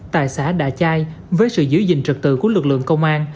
tại xã đạ chai với sự giữ gìn trật tự của lực lượng công an